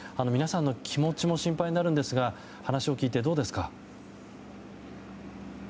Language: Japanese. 皆さんの気持ちも心配になるんですが話を聞いて、どうですか。